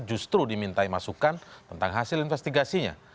justru dimintai masukan tentang hasil investigasinya